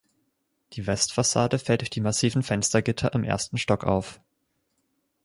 Die Westfassade fällt durch die massiven Fenstergitter im ersten Stock auf.